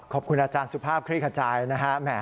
ขอบคุณอาจารย์สุภาพคลี่ขจายนะฮะ